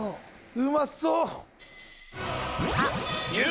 うまそう。